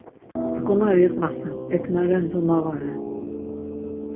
Ek̆onari iqvasen, ek na ren do na va ren.